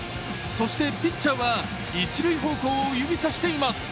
そして、ピッチャーは一塁方向を指さしています。